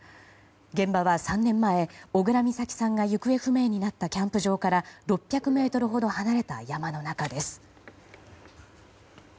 現場は３年前、小倉美咲さんが行方不明になったキャンプ場から６００ｍほど離れた山の中です。